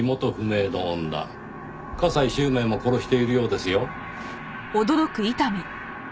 加西周明も殺しているようですよ。